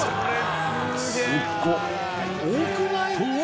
すっご！と！